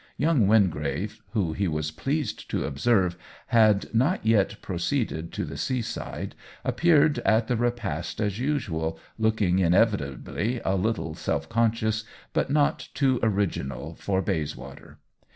Young Wingrave (who, he was pleased to observe, had not yet proceeded to the sea side) appeared at the repast as usual, look ing inevitably a little self conscious, but not too original for Bayswater.